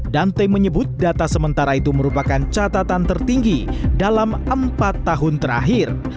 dante menyebut data sementara itu merupakan catatan tertinggi dalam empat tahun terakhir